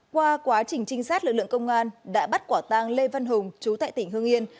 qua quá trình trinh sát lực lượng công an đã bắt quả tang lê văn hùng chú tại tỉnh hương yên